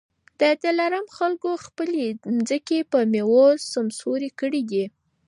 د دلارام خلکو خپلي مځکې په میوو سمسوري کړي دي